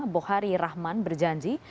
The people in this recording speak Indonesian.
bokhari rahman berjanji